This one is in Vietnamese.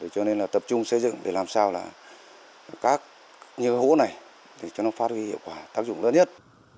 cho nên là tập trung xây dựng để làm sao là các như hố này cho nó phát huy hiệu quả tác dụng lớn nhất